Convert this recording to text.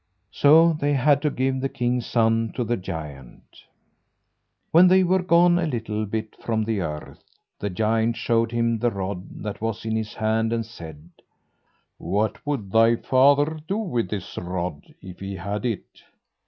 So they had to give the king's son to the giant. When they were gone a little bit from the earth, the giant showed him the rod that was in his hand and said: "What would thy father do with this rod if he had it?"